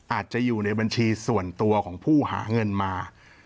อาจจะอยู่ในบัญชีส่วนตัวของผู้หาเงินมา